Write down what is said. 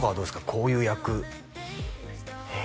こういう役え